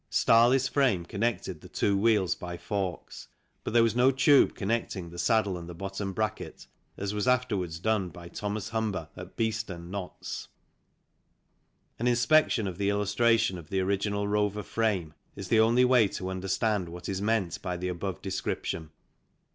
Starley's frame connected the two wheels by forks, but there was no tube connecting the saddle and the bottom bracket as was afterwards done by Thos. Humber, at Beeston, Notts. An inspection of the illustration of the original Rover frame is the only way to understand what is meant by the above description.